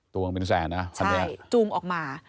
ตัวมันเป็นแสนนะใช่จูงออกมา